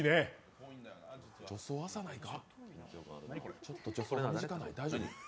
助走、短ないか？